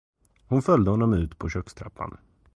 Hon följde honom ut på kökstrappan.